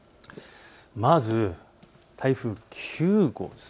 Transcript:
まず台風９号です。